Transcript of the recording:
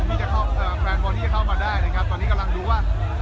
ที่จะเข้ามาได้นะครับตัวนี้กำลังดูว่าค่ะ